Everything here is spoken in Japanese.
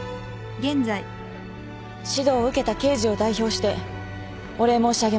指導を受けた刑事を代表してお礼申し上げます。